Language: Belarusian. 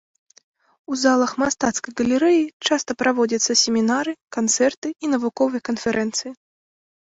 У залах мастацкай галерэі часта праводзяцца семінары, канцэрты і навуковыя канферэнцыі.